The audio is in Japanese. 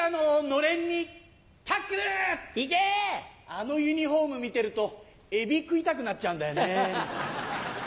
あのユニホーム見てるとエビ食いたくなっちゃうんだよね。